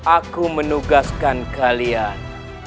aku menugaskan kalian